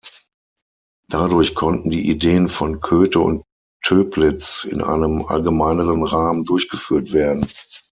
Dadurch konnten die Ideen von Köthe und Toeplitz in einem allgemeineren Rahmen durchgeführt werden.